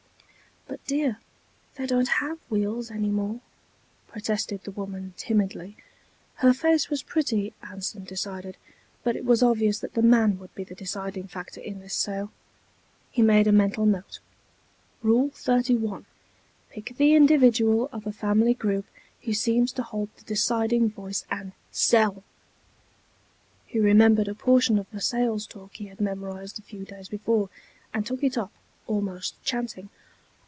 "But dear, they don't have wheels anymore," protested the woman, timidly. Her face was pretty, Anson decided, but it was obvious that the man would be the deciding factor in this sale. He made a mental note: Rule 31: Pick the individual of a family group who seems to hold the deciding voice, and SELL! He remembered a portion of a sales talk he had memorized a few days before, and took it up, almost chanting